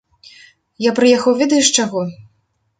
Я прыехаў ведаеш чаго?